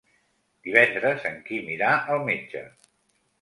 Divendres en Quim irà al metge.